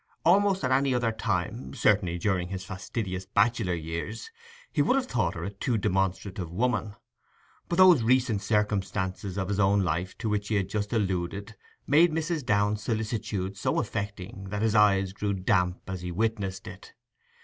Almost at any other time—certainly during his fastidious bachelor years—he would have thought her a too demonstrative woman; but those recent circumstances of his own life to which he had just alluded made Mrs. Downe's solicitude so affecting that his eye grew damp as he witnessed it.